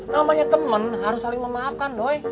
namanya temen harus saling memaafkan doi